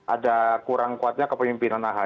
ada kurang kuatnya kepemimpinan ahy